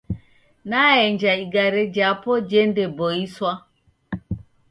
Naenja igare japo jendeboiswa.